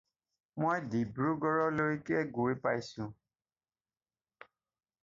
মই ডিব্ৰুগড়লৈকে গৈ পাইছোঁ।